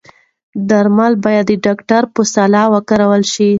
درمل باید د ډاکتر په سلا وکارول شي.